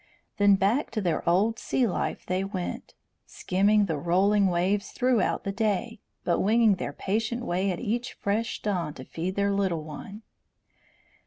Then back to their old sea life they went, skimming the rolling waves throughout the day, but winging their patient way at each fresh dawn to feed their little one.